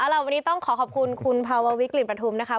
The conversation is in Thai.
เอาล่ะวันนี้ต้องขอขอบคุณคุณภาววิกลิ่นประทุมนะคะ